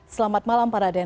selamat malam pak raden